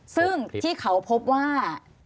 ซึ่งที่เขาพบว่า